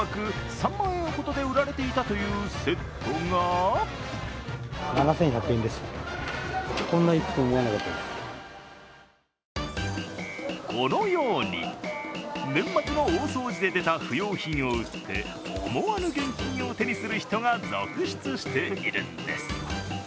３万円ほどで売られていたというセットがこのように年末の大掃除で出た不要品を売って思わぬ現金を手にする人が続出しているんです。